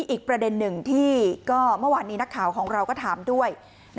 อีกประเด็นหนึ่งที่ก็เมื่อวานนี้นักข่าวของเราก็ถามด้วย